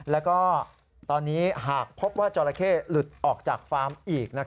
แล้วก็ตอนนี้หากพบว่าจราเข้หลุดออกจากฟาร์มอีก